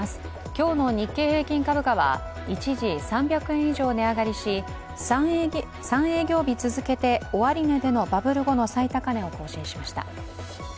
今日の日経平均株価は一時、３００円以上、値上がりし３営業日続けて終値でのバブル後の最高値を更新しました。